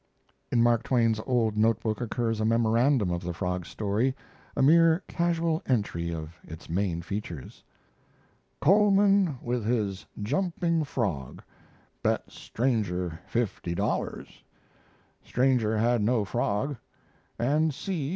In Mark Twain's old note book occurs a memorandum of the frog story a mere casual entry of its main features: Coleman with his jumping frog bet stranger $50 stranger had no frog, and C.